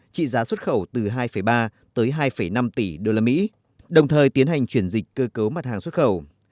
trị giá xuất khẩu từ hai ba tới hai năm tỷ usd đồng thời tiến hành chuyển dịch cơ cấu mặt hàng xuất khẩu